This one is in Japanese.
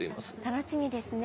楽しみですね。